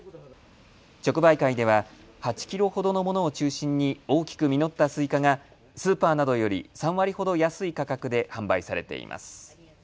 直売会では８キロほどのものを中心に大きく実ったスイカがスーパーなどより３割ほど安い価格で販売されています。